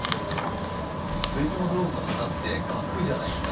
クリスマスローズの花って萼じゃないですか。